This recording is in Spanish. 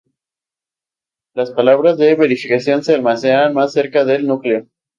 Las palabras de verificación se almacenan más cerca del núcleo.